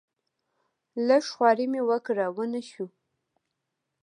لږه خواري مې وکړه ونه شو.